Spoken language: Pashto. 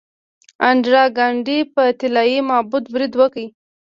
اندرا ګاندي په طلایی معبد برید وکړ.